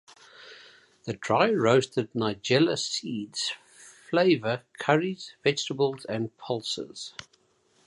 The dry-roasted nigella seeds flavor curries, vegetables and pulses.